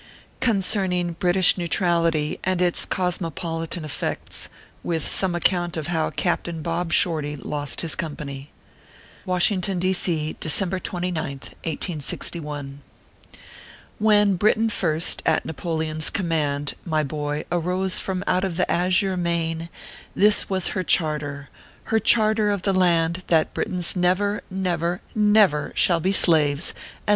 CONCERNING BRITISII NEUTRALITY AND ITS COSMOPOLITAN EFFECTS, WITH SOME ACCOUNT OF HOW CAPTAIN BOB SHORTY LOST HIS COMPANY. WASHINGTON, D. C., December 20th, 1861. WHEN Britain first, at Napoleon s command, my boy, arose from out the azure main, this was her charter, her charter of the land, that Britains never, never, never shall be slaves as.